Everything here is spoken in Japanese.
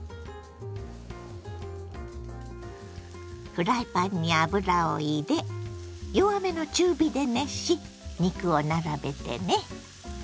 フライパンに油を入れ弱めの中火で熱し肉を並べてね。